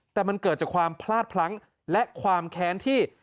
แต่มันเกิดจากความพลาดพลั้งและความแค้นที่